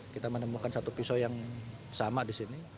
kita menemukan satu pisau yang sama di sini